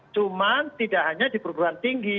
cuman tidak hanya di perubahan tinggi